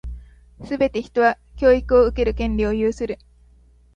すべて人は、教育を受ける権利を有する。